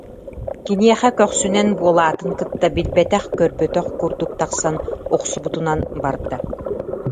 Киниэхэ көхсүнэн буолаатын кытта, билбэтэх-көрбөтөх курдук тахсан, охсубутунан барда